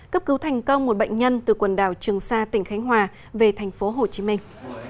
cấp cứu thành công một bệnh nhân từ quần đảo trường sa tỉnh khánh hòa về thành phố hồ chí minh